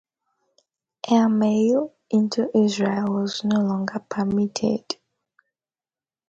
Airmail into Israel was no longer permitted.